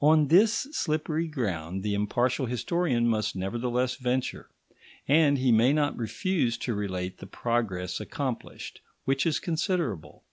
On this slippery ground the impartial historian must nevertheless venture; and he may not refuse to relate the progress accomplished, which is considerable.